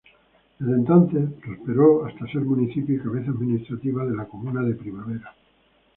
Desde entonces prosperó hasta ser municipio y cabeza administrativa de la comuna de Primavera.